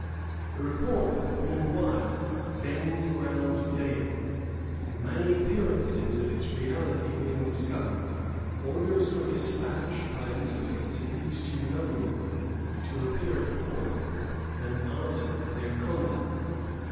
The report, meanwhile, gained ground daily; and many appearances of its reality being discovered, orders were despatched by Elizabeth to these two noblemen, to appear at court, and answer for their conduct.